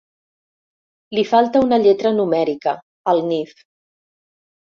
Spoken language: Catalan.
Li falta una lletra numèrica, al Nif.